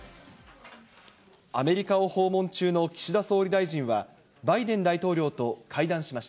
アメリカを訪問中の岸田総理大臣は、バイデン大統領と会談しまし